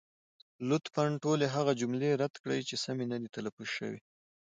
لطفا ټولې هغه جملې رد کړئ، چې سمې نه دي تلفظ شوې.